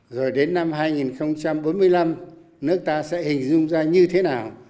rồi đến năm hai nghìn bốn mươi năm nước ta sẽ hình dung ra như thế nào